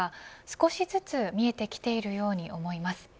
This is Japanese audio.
少しずつ見えてきているように思います。